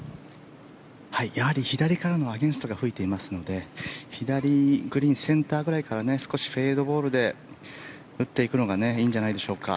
やはり、左からのアゲンストが吹いていますので左グリーンセンターぐらいから少しフェードボールで打っていくのがいいんじゃないでしょうか。